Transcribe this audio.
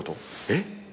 えっ？